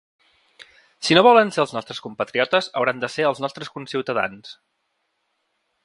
Si no volen ser els nostres compatriotes, hauran de ser els nostres conciutadans.